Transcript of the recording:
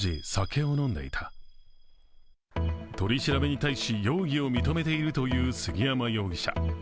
取り調べに対し、容疑を認めているという杉山容疑者。